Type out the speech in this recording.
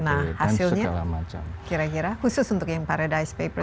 nah hasilnya kira kira khusus untuk yang paradise papers